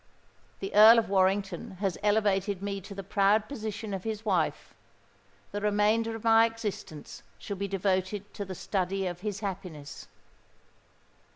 The Earl of Warrington has elevated me to the proud position of his wife: the remainder of my existence shall be devoted to the study of his happiness.